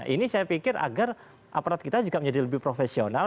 ini saya pikir agar aparat kita juga menjadi lebih profesional